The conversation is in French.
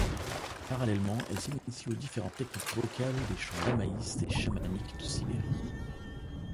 Parallèlement, elle s’initie aux différentes techniques vocales des chants lamaïstes et chamaniques de Sibérie.